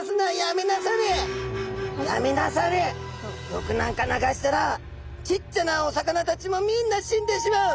毒なんか流したらちっちゃなお魚たちもみんな死んでしまう。